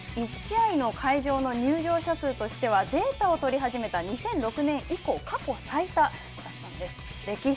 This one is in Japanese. １試合の会場の入場者数としては、データを取り始めた２００６年以降、過去最多だったんです。